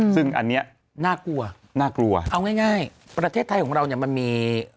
ซึ่งอันนี้น่ากลัวเอาง่ายประเทศไทยของเรามันมี